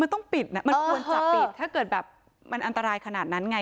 มันต้องปิดน่ะมันควรจะปิดถ้าเกิดแบบมันอันตรายขนาดนั้นไง